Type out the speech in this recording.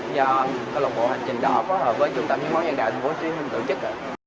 do câu lạc bộ hành trình đỏ phối hợp với trung tâm hiến máu nhân đạo tp hcm tổ chức